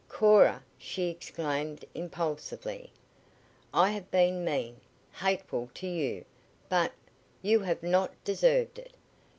"Cora," she exclaimed impulsively, "I have been mean hateful to you but you have not deserved it.